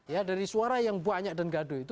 ya dari suara yang banyak dan gaduh itu